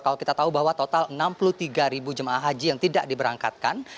kalau kita tahu bahwa total enam puluh tiga jemaah haji yang tidak diberangkatkan